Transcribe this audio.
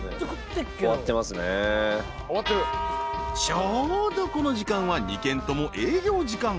［ちょうどこの時間は２軒とも］